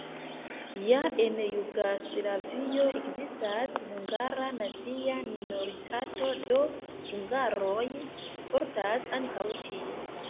Ja en Jugoslavio ekzistas hungara nacia minoritato, do, hungaroj sportas ankaŭ tie.